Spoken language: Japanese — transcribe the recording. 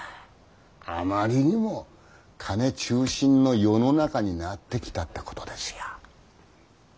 あまりにも金中心の世の中になってきたってことですよ。